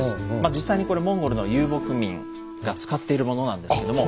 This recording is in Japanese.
実際にこれはモンゴルの遊牧民が使っているものなんですけども。